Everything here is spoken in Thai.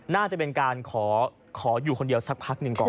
น่าจะเป็นการขออยู่คนเดียวสักพักหนึ่งก่อน